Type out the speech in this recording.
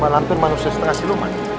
lampir manusia setengah siluman